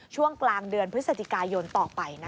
ช่วงกลางเดือนพฤศจิกายนต่อไป